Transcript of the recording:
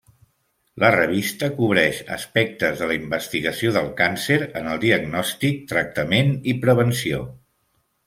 La revista cobreix aspectes de la investigació del càncer en el diagnòstic, tractament, i prevenció.